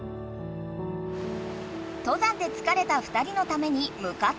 登山でつかれた２人のためにむかったのは。